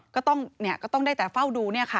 ก็ต้องได้แต่เฝ้าดูเนี่ยค่ะ